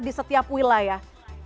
di setiap wilayah